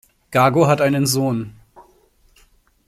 Gago hat einen Sohn.